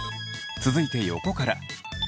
続いて横から。